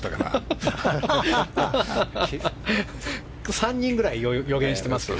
３人くらい予言していますよ。